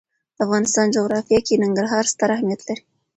د افغانستان جغرافیه کې ننګرهار ستر اهمیت لري.